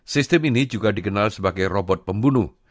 sistem ini juga dikenal sebagai robot pembunuh